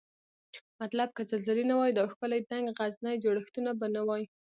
مطلب که زلزلې نه وای دا ښکلي دنګ غرني جوړښتونه به نوای